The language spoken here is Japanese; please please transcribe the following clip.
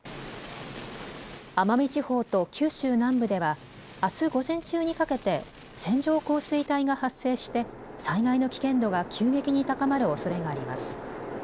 奄美地方と九州南部ではあす午前中にかけて線状降水帯が発生して災害の危険度が急激に高まるおそれがあります。